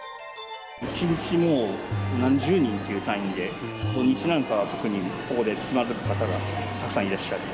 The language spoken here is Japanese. １日、何十人っていう単位で、土日なんかは特に、ここでつまずく方がたくさんいらっしゃる。